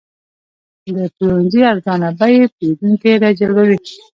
د پلورنځي ارزانه بیې پیرودونکي راجلبوي.